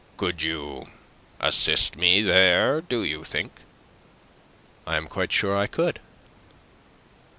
Could you assist me there, do you think?" "I am quite sure I could."